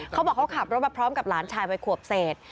เขาบอกเขาขับรถมาพร้อมกับหลานชายวัยขวบเศษ